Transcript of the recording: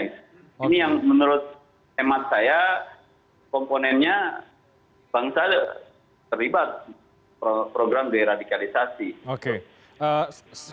ini yang menurut hemat saya komponennya bangsa terlibat program deradikalisasi